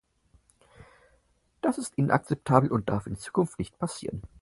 Das ist inakzeptabel und darf in Zukunft nicht passieren.